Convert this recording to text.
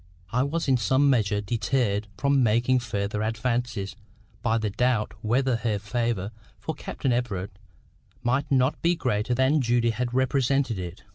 —I was in some measure deterred from making further advances by the doubt whether her favour for Captain Everard might not be greater than Judy had represented it.